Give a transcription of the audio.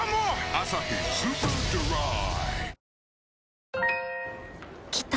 「アサヒスーパードライ」